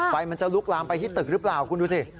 ไฟมันจะลุกลามไปที่ตึกหรือเปล่าคุณดูสิ